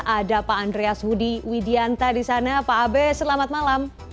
ada pak andreas budi widianta di sana pak abe selamat malam